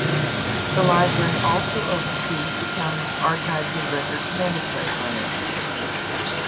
The library also oversees the county's Archives and Records Management Branch.